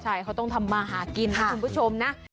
ใช่เขาต้องทำมาหากินนะคุณผู้ชมนะ